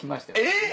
えっ！